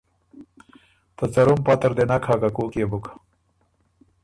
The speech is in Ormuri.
ته څرُم پته ر دې نک هۀ که کوک يې بُک۔